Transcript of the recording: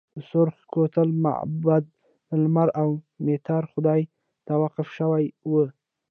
د سورخ کوتل معبد د لمر او میترا خدای ته وقف شوی و